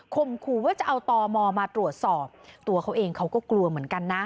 ขู่ว่าจะเอาตมมาตรวจสอบตัวเขาเองเขาก็กลัวเหมือนกันนะ